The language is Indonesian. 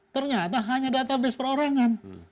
ternyata hanya database perorangan